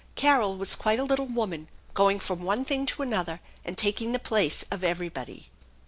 Carol was quite a little woman, going from one thing to another and taking the place of everybody.